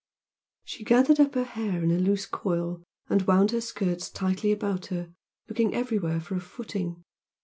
She gathered up her hair in a close coil and wound her skirts tightly about her, looking everywhere for a footing.